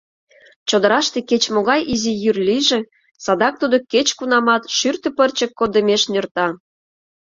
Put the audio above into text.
Чодыраште кеч-могай изи йӱр лийже, садак тудо кеч-кунамат шӱртӧ пырче коддымеш нӧрта.